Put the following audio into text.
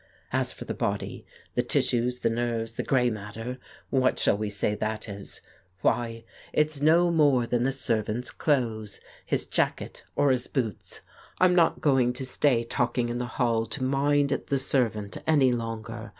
As for the body, the tissues, the nerves, the grey matter, what shall we say that is? Why, it's no more than the servant's clothes, his jacket, or his boots. I'm not going to stay talking in the hall to 'mind,' the servant, any longer.